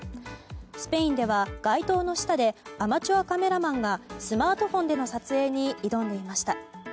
スペインでは、街灯の下でアマチュアカメラマンがスマートフォンでの撮影に挑んでいました。